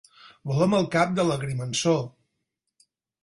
Volem el cap de l'agrimensor.